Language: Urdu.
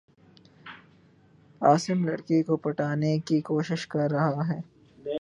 عاصم لڑ کی کو پٹانے کی کو شش کر رہا ہے